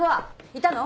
いたの？